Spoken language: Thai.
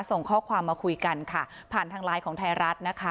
ส่งข้อความมาคุยกันค่ะผ่านทางไลน์ของไทยรัฐนะคะ